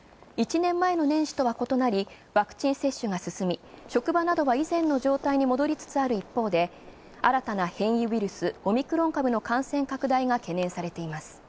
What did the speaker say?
１年前の年始とは異なり、ワクチン接種が進み、職場などは以前の状態に戻りつつある一方、新たな変異ウイルス、オミクロン株の感染拡大が懸念されています。